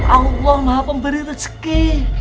allah maha pemberi rezeki